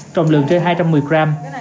trong lượng trên hai trăm một mươi gram